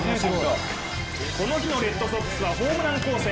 この日のレッドソックスはホームラン構成。